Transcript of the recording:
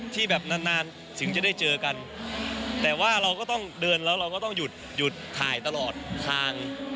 ที่แบบนานนานถึงจะได้เจอกันแต่ว่าเราก็ต้องเดินแล้วเราก็ต้องหยุดหยุดถ่ายตลอดทาง